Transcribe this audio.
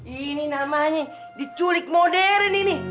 ini namanya diculik modern ini